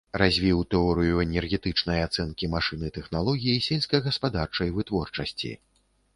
Развіў тэорыю энергетычнай ацэнкі машын і тэхналогій сельскагаспадарчай вытворчасці.